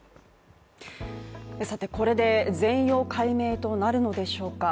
さて、これで全容解明となるのでしょうか。